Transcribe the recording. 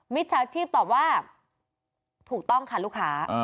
จฉาชีพตอบว่าถูกต้องค่ะลูกค้า